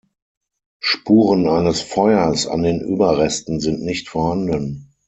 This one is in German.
Spuren eines Feuers an den Überresten sind nicht vorhanden.